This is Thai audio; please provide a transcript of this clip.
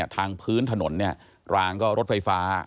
ทางพื้นถนนรางก็รถไฟฟ้า